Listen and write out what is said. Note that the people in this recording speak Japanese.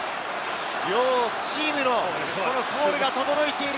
両チームのコールが轟いている